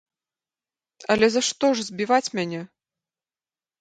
Але за што ж збіваць мяне?